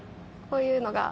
こういうのが。